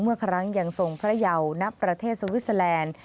เมื่อครั้งยังทรงพระเยาณประเทศสวิสเตอร์แลนด์